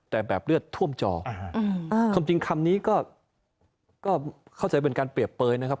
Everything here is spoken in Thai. แต่แบบเลือดท่วมจอความจริงคำนี้ก็เข้าใจเป็นการเปรียบเปยนะครับ